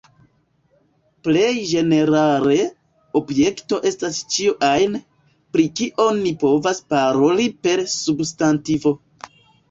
Plej ĝenerale, objekto estas ĉio ajn, pri kio ni povas paroli per substantivo.